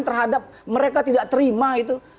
terhadap mereka tidak terima itu